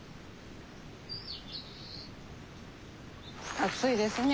暑いですね。